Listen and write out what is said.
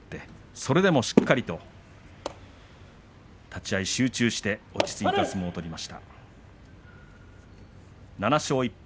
それでもしっかりと立ち合い集中して落ち着いた相撲を取っています。